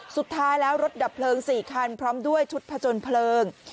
สุดท้ายแล้วรถดับเพลิง๔คันพร้อมด้วยชุดผจญเพลิง